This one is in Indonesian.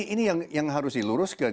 ini yang harus diluruskan